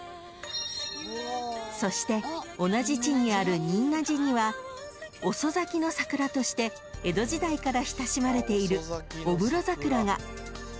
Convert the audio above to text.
［そして同じ地にある仁和寺には遅咲きの桜として江戸時代から親しまれている御室桜が］